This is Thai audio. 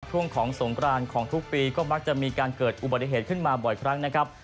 ช่วงของสงกรานของทุกปีก็มักจะมีการเกิดอุบัติเหตุขึ้นมาบ่อยครั้งนะครับ